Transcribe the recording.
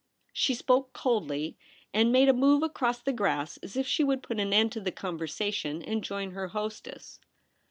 She spoke coldly, and made a move across the grass as if she would put an end to the conversation and join her hostess.